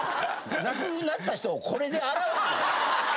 亡くなった人を「コレ」で表すな。